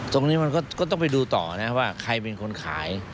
ตรงนี้มันก็ต้องไปดูต่อนะว่าใครเป็นคนขาย